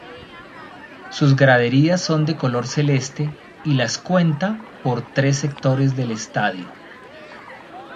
Sus graderías son de color celeste y las cuenta por tres sectores del estadio.